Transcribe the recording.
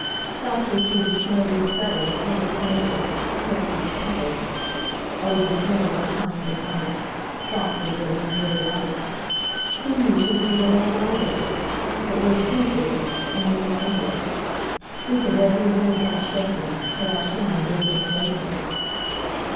"Softly through the snow we settle, Little snow drops press each petal. Oh, the snow is kind and white,—Soft it is, and very light; Soon we shall be where no light is, But where sleep is, and where night is,—Sleep of every wind unshaken, Till our Summer bids us waken."